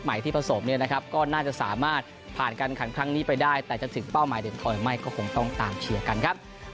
ที่ผสมเนี่ยนะครับก็น่าจะสามารถผ่านการขันครั้งนี้ไปได้แต่จะถึงเป้าหมายเด่นคอยหรือไม่ก็คงต้องตามเชียร์กันครับ